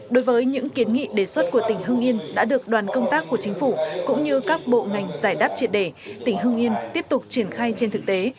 đối với những kiến nghị đề xuất của tỉnh hưng yên đã được đoàn công tác của chính phủ cũng như các bộ ngành giải đáp triệt đề tỉnh hưng yên tiếp tục triển khai trên thực tế